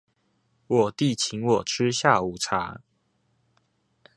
我弟請我吃下午茶